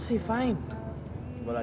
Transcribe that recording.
ya enak ah